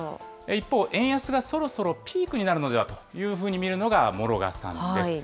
一方、円安がそろそろピークになるのではというふうに見るのが、諸我さんです。